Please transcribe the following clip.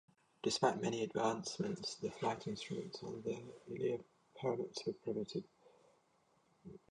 Despite many advancements, the flight instruments on the Ilya Muromets were primitive.